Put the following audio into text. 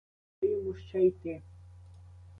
Куди йому ще йти?